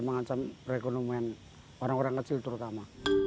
mengancam perekonomian orang orang kecil terutama